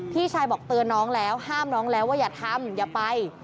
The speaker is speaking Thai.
พี่ชายบอกเตือนน้องแล้วห้ามน้องแล้วว่าอย่าทำอย่าไป